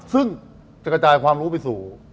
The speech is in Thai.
ซึ่งจะกระจายความรู้ไปสู่